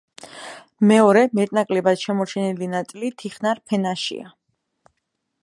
მეორე, მეტნაკლებად შემორჩენილი ნაწილი თიხნარ ფენაშია.